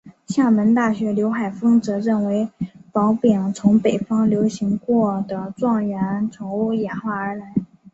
厦门大学刘海峰则认为博饼从北方流行过的状元筹演化而来。